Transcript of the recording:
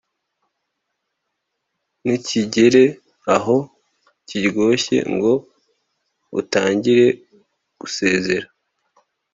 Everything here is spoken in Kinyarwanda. ntikigere aho kiryoshye ngo utangire gusezera